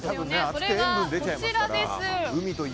それが、こちらです。